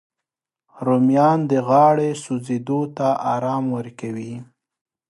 رومیان د غاړې سوځېدو ته ارام ورکوي